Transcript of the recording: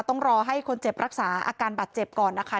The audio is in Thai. ต้องรอให้คนเจ็บรักษาอาการบาดเจ็บก่อนนะคะ